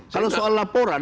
kalau soal laporan